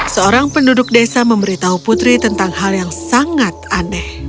seorang penduduk desa memberitahu putri tentang hal yang sangat aneh